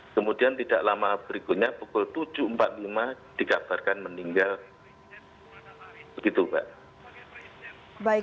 kemudian tidak lama berikutnya pukul tujuh empat puluh lima dikabarkan meninggal